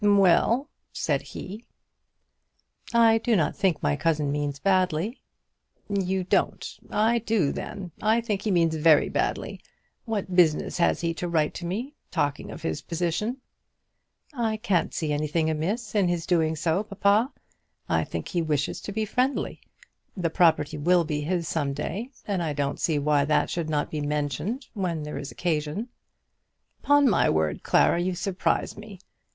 "Well," said he. "I do not think my cousin means badly." "You don't! I do, then. I think he means very badly. What business has he to write to me, talking of his position?" "I can't see anything amiss in his doing so, papa. I think he wishes to be friendly. The property will be his some day, and I don't see why that should not be mentioned, when there is occasion." "Upon my word, Clara, you surprise me.